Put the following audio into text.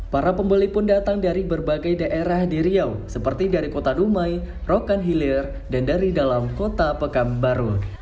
para pembeli pun datang dari berbagai daerah di riau seperti dari kota dumai rokan hilir dan dari dalam kota pekanbaru